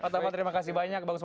terima kasih banyak bang usman